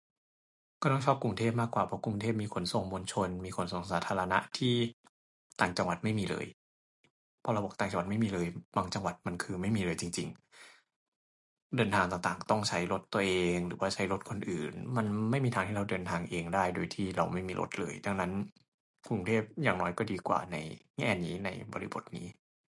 ก็ต้องชอบกรุงเทพมากกว่าเพราะกรุงเทพฯมีขนส่งมวลชนมีขนส่งสาธารณะที่ ต่างจังหวัดไม่มีเลย เพราะระบบต่างจังหวัดไม่มีเลย บางจังหวัดคือมันไม่มีเลยจริงจริง เดินทางต่างต่างต้องใช้รถตัวเองหรือว่าใช้รถคนอื่นมันไม่มีทางให้เราเดินทางเองได้โดยที่เราไม่มีรถเลยดันนั้นกรุงเทพอย่างน้อยก็ดีกว่าในแง่นี้ในบริบทนี้